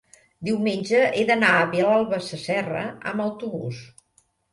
diumenge he d'anar a Vilalba Sasserra amb autobús.